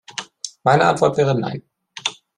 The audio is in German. Meine Antwort wäre Nein.